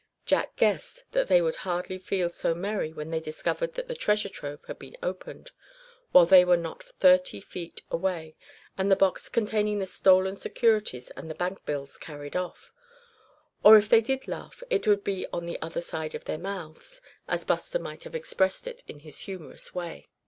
Jack guessed that they would hardly feel so merry when they discovered that the treasure trove had been opened, while they were not thirty feet away, and the box containing the stolen securities and the bank bills carried off; or if they did laugh it would be on the "other side of their mouths," as Buster might have expressed it in his humorous way.